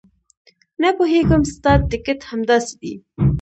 نه پوهېږم ستا ټیکټ همداسې دی.